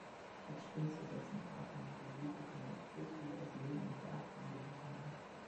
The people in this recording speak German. Touchscreens ersetzen Tafeln und die Besucher können ein Quiz über das Leben und Werk von Dickens machen.